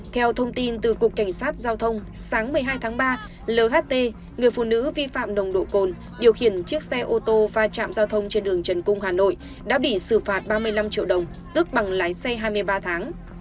theo thông tin từ cục cảnh sát giao thông sáng một mươi hai tháng ba lt người phụ nữ vi phạm nồng độ cồn điều khiển chiếc xe ô tô va chạm giao thông trên đường trần cung hà nội đã bị xử phạt ba mươi năm triệu đồng tức bằng lái xe hai mươi ba tháng